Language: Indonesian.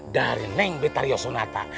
dari neng betaryo sonata